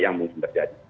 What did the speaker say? yang mungkin terjadi